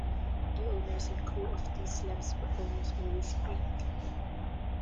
The owners and crew of these sleps were almost always Greek.